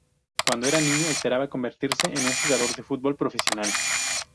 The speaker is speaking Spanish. Cuando era niño, esperaba convertirse en jugador de fútbol profesional.